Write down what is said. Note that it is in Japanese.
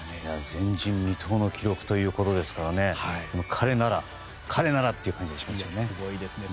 前人未到の記録ということですが彼ならという感じがしますよね。